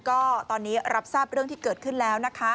ก็ตอนนี้รับทราบเรื่องที่เกิดขึ้นแล้วนะคะ